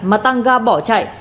mà tăng ga bỏ chạy